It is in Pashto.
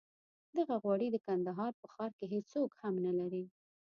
دغه غوړي د کندهار په ښار کې هېڅوک هم نه لري.